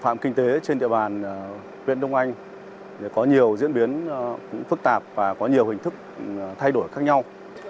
phạm kinh tế trên địa bàn huyện đông anh có nhiều diễn biến phức tạp và có nhiều hình thức thay đổi khác nhau